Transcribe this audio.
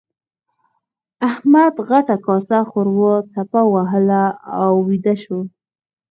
احمد غټه کاسه ښوروا څپه وهله او ويده شو.